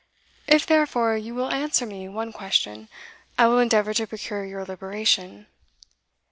"If, therefore, you will answer me one question, I will endeavour to procure your liberation."